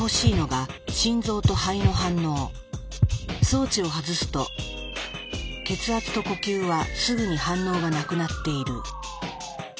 装置を外すと血圧と呼吸はすぐに反応がなくなっている。